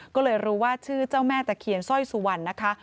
ก็เลยรู้ว่าชื่อเจ้าแม่ตะเคียนสร้อยสุวรรณนะคะ